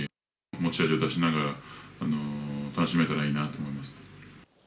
持ち味を出しながら、楽しめたらいいなと思います。